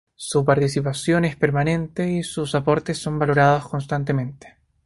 Su participación es permanente y sus aportes son valorados constantemente.